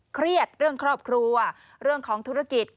เครียดเรื่องครอบครัวเรื่องของธุรกิจ